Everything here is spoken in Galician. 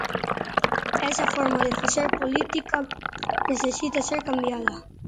Esa forma de facer política necesita ser cambiada.